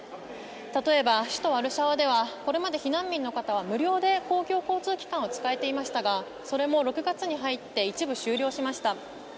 例えば首都ワルシャワではこれまで避難民の方は無料で公共交通機関を使えていましたがそれも６月に入って一部終了しました。